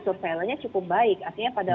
surveilernya cukup baik artinya pada